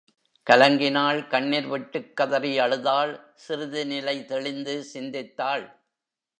கலங்கினாள் கண்ணிர் விட்டுக் கதறி அழுதாள் சிறிது நிலை தெளிந்து சிந்தித்தாள்.